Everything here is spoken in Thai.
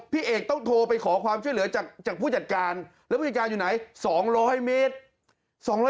พี่เอกต้องโทรไปขอความช่วยเหลือจากผู้จัดการแล้วผู้จัดการอยู่ไหน๒๐๐เมตร